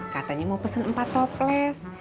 katanya mau pesen empat toples